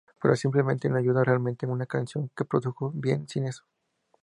Pero simplemente no ayuda realmente una canción que produjo bien sin eso.